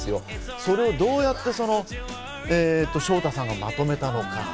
それをどうやってショウタさんがまとめたのか。